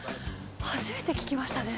初めて聞きましたね。